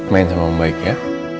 main sama om baik ya